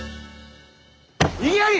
異議あり！